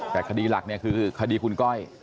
แต่คดีหลักเนี่ยคือคดีคุณก้อย